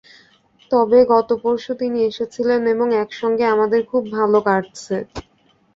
তবে গত পরশু তিনি এসেছেন এবং একসঙ্গে আমাদের খুব ভাল কাটছে।